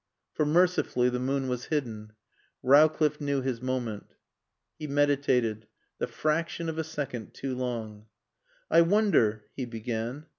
For, mercifully, the moon was hidden. Rowcliffe knew his moment. He meditated the fraction of a second too long. "I wonder " he began.